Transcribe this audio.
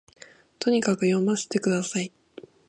とにかく読ませて下さい